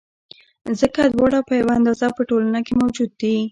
ځکه دواړه په یوه اندازه په ټولنه کې موجود دي.